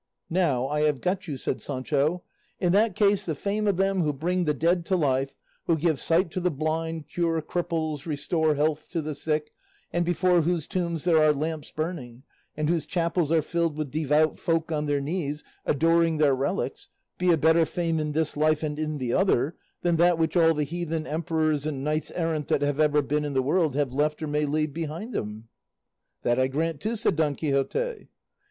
"Now I have got you," said Sancho; "in that case the fame of them who bring the dead to life, who give sight to the blind, cure cripples, restore health to the sick, and before whose tombs there are lamps burning, and whose chapels are filled with devout folk on their knees adoring their relics be a better fame in this life and in the other than that which all the heathen emperors and knights errant that have ever been in the world have left or may leave behind them?" "That I grant, too," said Don Quixote.